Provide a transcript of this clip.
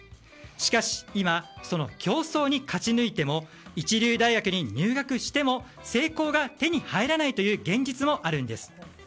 しかし今その競争に勝ち抜いても一流大学に入学しても成功が手に入らないという現実もあるんです。